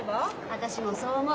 私もそう思う。